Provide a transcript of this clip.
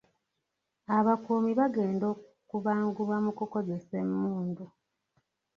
Abakuumi bagenda kubangulwa mu kukozesa emmundu.